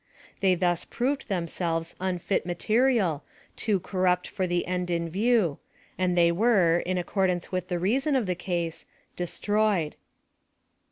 They thus proved themselves unfit material, too corrupt for the end in view, and they were, in accordance with the reason of the case, destroyed.